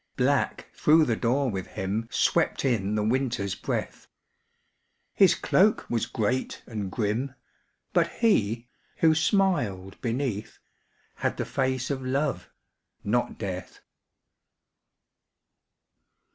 _ Black through the door with him Swept in the Winter's breath; His cloak was great and grim But he, who smiled beneath, Had the face of Love not Death.